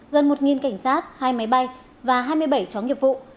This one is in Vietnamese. gần một cảnh sát hai máy bay và hai mươi bảy chóng nghiệp vụ